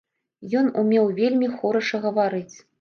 Ён умеў вельмі хораша гаварыць.